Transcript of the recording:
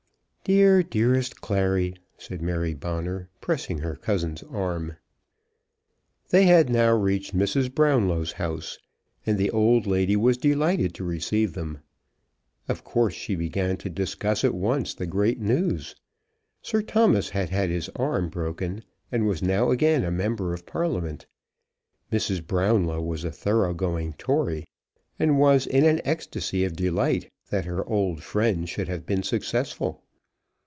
"Dear, dearest Clary," said Mary Bonner, pressing her cousin's arm. They had now reached Mrs. Brownlow's house, and the old lady was delighted to receive them. Of course she began to discuss at once the great news. Sir Thomas had had his arm broken, and was now again a member of Parliament. Mrs. Brownlow was a thorough going Tory, and was in an ecstasy of delight that her old friend should have been successful.